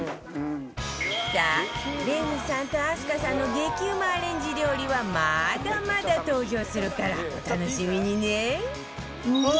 さあレミさんと明日香さんの激うまアレンジ料理はまだまだ登場するからお楽しみにね